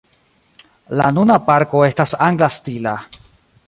La nuna parko estas angla stila.